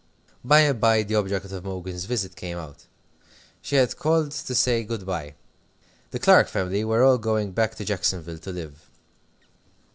By and by the object of Imogen's visit came out. She had called to say good by. The Clark family were all going back to Jacksonville to live.